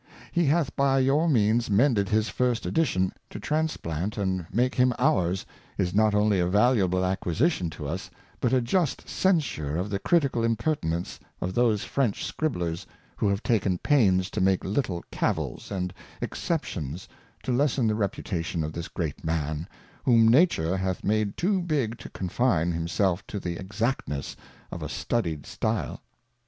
He hath by your means mended his First Edition : To transplant and make him Ours, is not only a Valuable Acquisition to us, but a Just Censure of the Critical Impertinence of those French Scribblers who have taken pains to make little Cavils and Exceptions, to lessen the Reputation of this great Man, whom Nature hath made too big to Confine himself to the Exactness of a Studied Stile.